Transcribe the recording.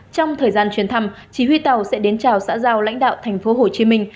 trong thời gian chuyến thăm chỉ huy tàu sẽ đến chào xã giao lãnh đạo thành phố hồ chí minh